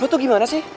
lu tau gimana sih